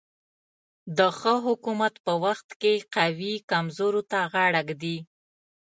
د ښه حکومت په وخت کې قوي کمزورو ته غاړه ږدي.